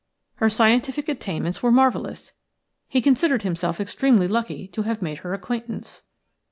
Her scientific attainments were marvellous. He considered himself extremely lucky to have made her acquaintance.